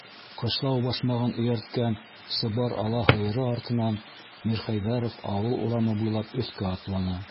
Ҡышлау башмағын эйәрткән сыбар ала һыйыры артынан Мирхәйҙәров ауыл урамы буйлап өҫкә атланы.